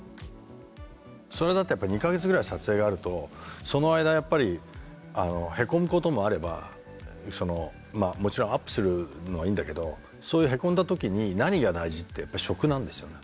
それだって２か月ぐらい撮影があるとその間やっぱりへこむこともあればまあもちろんアップするのはいいんだけどそういうへこんだ時に何が大事ってやっぱり食なんですよね。